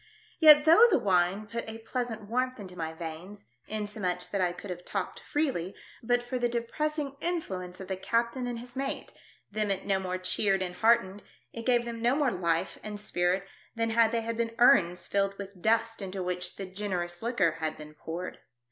Yet though the wine put a pleasant warmth into my veins, insomuch that I could have talked freely but for the depress ing influence of the captain and his mate, them it no more cheered and heartened, it gave them no more life and spirit than had they been urns filled with dust into which the generous liquor had been poured.